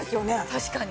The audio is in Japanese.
確かに。